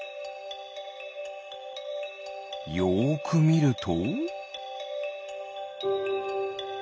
よくみると？